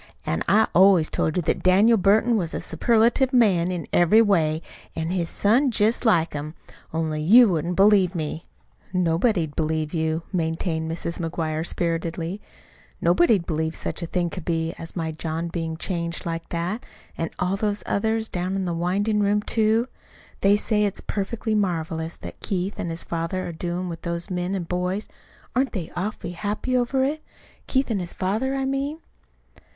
An' I always told you that Daniel Burton was a superlative man in every way, an' his son's jest like him. Only you wouldn't believe me." "Nobody'd believe you," maintained Mrs. McGuire spiritedly. "Nobody'd believe such a thing could be as my John bein' changed like that an' all those others down to the windin' room, too. They say it's perfectly marvelous what Keith an' his father are doin' with those men an' boys. Aren't they awful happy over it Keith an' his father, I mean?"